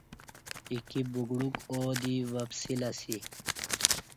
ایکی بگڈوک ا ودی وپسیلہ اسی